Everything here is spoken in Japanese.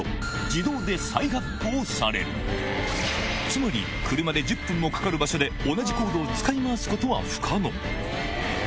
つまり車で１０分もかかる場所で同じコードを使い回すことは不可能え？